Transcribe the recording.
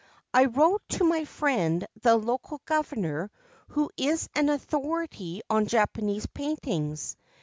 I wrote to my friend the Local Governor, who is an authority on Japanese paintings.